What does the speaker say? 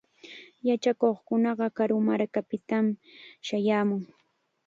Yachakuqkunaqa karu markakunapitam shayaamun.